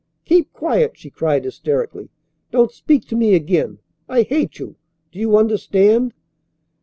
"Keep quiet!" she cried hysterically. "Don't speak to me again. I hate you! Do you understand?"